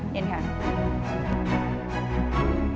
เหนียนค่ะ